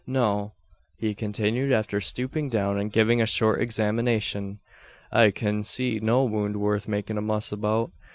No," he continued, after stooping down and giving a short examination, "I kin see no wound worth makin' a muss about.